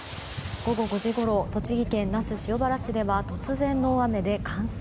午後５時ごろ栃木県那須塩原市では突然の大雨で冠水。